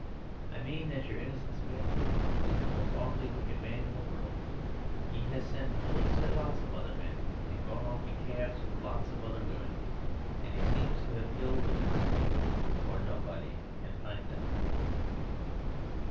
I mean that your Innocent Smith is the most awfully wicked man in the world. He has sent bullets at lots of other men and gone off in cabs with lots of other women. And he seems to have killed the women too, for nobody can find them."